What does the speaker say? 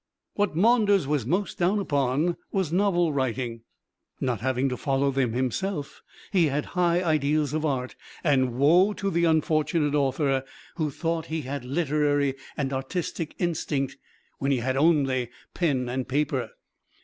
What Maunders was most down upon was novel writing. Not having to follow them himself, he had high ideals of art; and woe to the unfortunate author who thought he had literary and artistic instinct when he had only pen and paper.